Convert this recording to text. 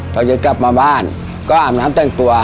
ตอนเจ็บกลับมาบ้านก็อาจารงแต่งตัว